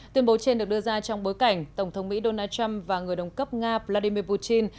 tuyên bố trên được đưa ra trong bối cảnh tổng thống mỹ donald trump và người đồng cấp nga vladimir putin